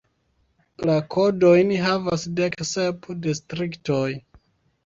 La kodojn havas dek sep distriktoj.